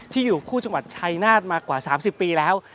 อยู่คู่จังหวัดชัยนาธมากว่า๓๐ปีแล้ว